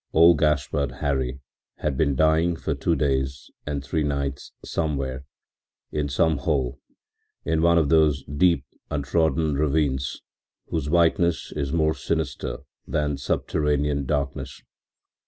Old Gaspard Hari had been dying for two days and three nights somewhere, in some hole, in one of those deep, untrodden ravines whose whiteness is more sinister than subterranean darkness.